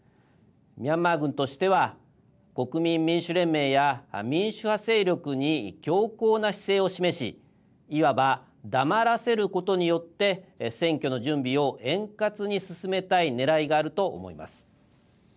ミャンマー軍としては国民民主連盟や民主派勢力に強硬な姿勢を示しいわば、黙らせることによって選挙の準備を円滑に進めたいねらいがあると思います。